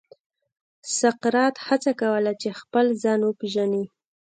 سقراط هڅه کوله چې خپل ځان وپېژني.